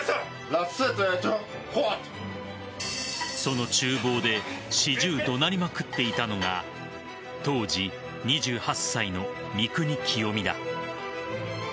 その厨房で始終、怒鳴りまくっていたのが当時２８歳の三國清三だ。